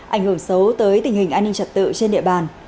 ảnh hưởng xấu tới tình hình an ninh trật tự trên địa bàn